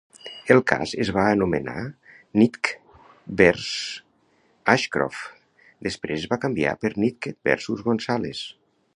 El cas es va anomenar "Nitke vers Ashcroft", després es va canviar per "Nitke versus Gonzales".